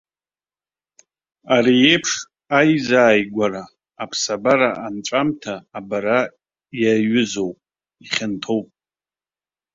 Ари еиԥш аизааигәахара, аԥсабара анҵәамҭа абара иаҩызоуп, ихьанҭоуп.